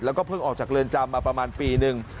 แล้วก็เพิ่งออกจากเรือนจำมาประมาณปีหนึ่ง